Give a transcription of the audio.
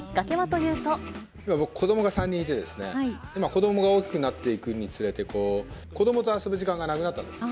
僕、子どもが３人いてですね、今、子どもが大きくなっていくにつれて、子どもと遊ぶ時間がなくなったんですね。